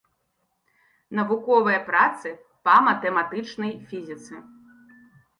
Навуковыя працы па матэматычнай фізіцы.